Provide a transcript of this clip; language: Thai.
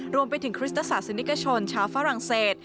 รวมไปถึงคริสตศาสนิกชนชาวฝรั่งเศส